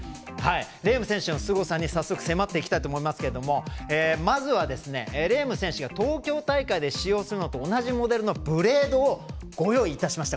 レーム選手のすごさに早速、迫っていきたいと思いますけれどもまず、レーム選手が東京大会で使用するのと同じモデルのブレードをご用意いたしました。